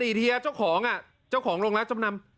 อดีตเทียเจ้าของโรงรับจำนำ